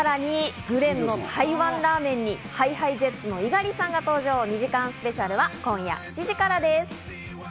さらに紅蓮の台湾ラーメンにＨｉＨｉＪｅｔｓの猪狩さんが登場、２時間スペシャルは今夜７時からです。